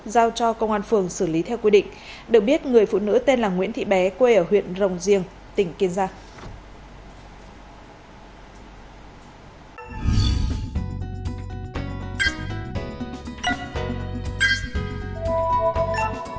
giao cho công an phường xử lý theo quy định được biết người phụ nữ tên là nguyễn thị bé quê ở huyện rồng riêng tỉnh kiên giang